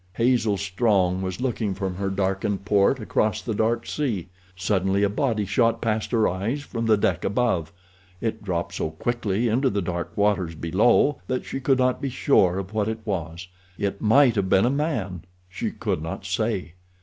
Hazel Strong was looking from her darkened port across the dark sea. Suddenly a body shot past her eyes from the deck above. It dropped so quickly into the dark waters below that she could not be sure of what it was—it might have been a man, she could not say.